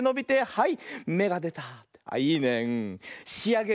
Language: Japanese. はい。